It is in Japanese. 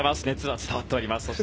熱は伝わっております。